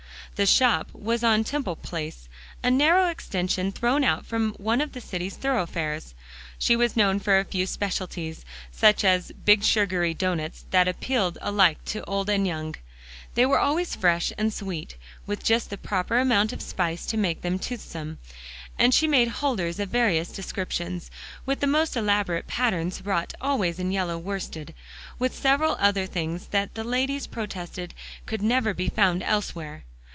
The shop was on Temple Place, a narrow extension thrown out from one of the city's thoroughfares. She was known for a few specialties; such as big sugary doughnuts that appealed alike to old and young. They were always fresh and sweet, with just the proper amount of spice to make them toothsome; and she made holders of various descriptions, with the most elaborate patterns wrought always in yellow worsted; with several other things that the ladies protested could never be found elsewhere.